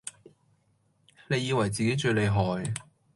你以為自己最厲害